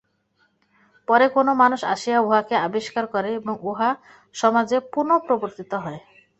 পরে কোন মানুষ আসিয়া উহাকে আবিষ্কার করে এবং উহা সমাজে পুন প্রবর্তিত হয়।